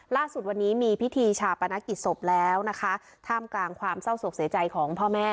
ล่าสุดวันนี้มีพิธีชาปนกิจศพแล้วนะคะท่ามกลางความเศร้าโศกเสียใจของพ่อแม่